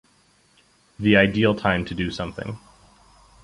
The ideal time to do something.